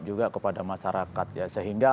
juga kepada masyarakat ya sehingga